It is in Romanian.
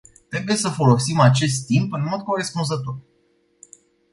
Trebuie să folosim acest timp în mod corespunzător.